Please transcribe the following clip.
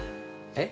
えっ？